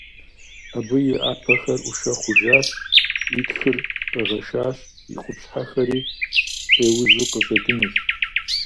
Абы и Ӏэпэхэр Ӏушэ хъужащ, и тхыр къэгъэшащ, и къупщхьэхэри къеузу къыщӀэкӀынущ.